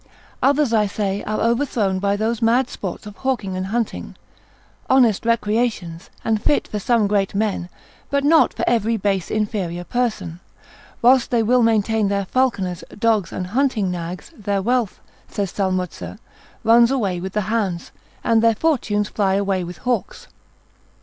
Others, I say, are overthrown by those mad sports of hawking and hunting; honest recreations, and fit for some great men, but not for every base inferior person; whilst they will maintain their falconers, dogs, and hunting nags, their wealth, saith Salmutze, runs away with hounds, and their fortunes fly away with hawks.